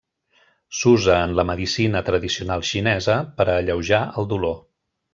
S'usa en la medicina tradicional xinesa per a alleujar el dolor.